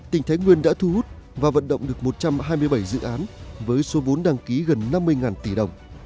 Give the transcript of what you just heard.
tỉnh thái nguyên đã thu hút và vận động được một trăm hai mươi bảy dự án với số vốn đăng ký gần năm mươi tỷ đồng